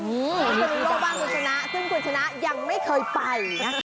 อื้อโลกบ้านกลุ่นชนะซึ่งกลุ่นชนะยังไม่เคยไปนะ